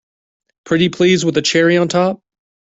Pretty please with a cherry on top!